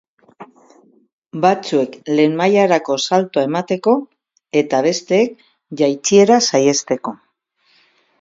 Batzuek lehen mailarako saltoa emateko eta besteek jaitsiera saihesteko.